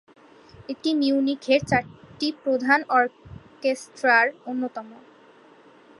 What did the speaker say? এটি মিউনিখের চারটি প্রধান অর্কেস্ট্রার অন্যতম।